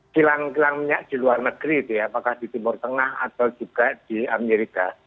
kilang kilang minyak di luar negeri apakah di timur tengah atau juga di amerika